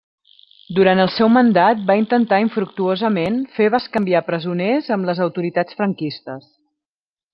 Durant el seu mandat va intentar infructuosament fer bescanviar presoners amb les autoritats franquistes.